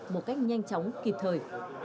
một cách nhanh chóng kịp thời